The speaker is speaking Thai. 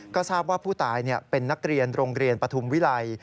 ก็ทราบว่าผู้ตายเป็นนักเรียนโรงเรียนปฐุมวิลัย